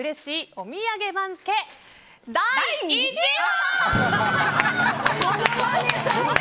お土産番付第１位は！